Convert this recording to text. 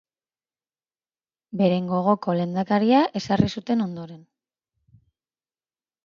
Beren gogoko lehendakaria ezarri zuten ondoren.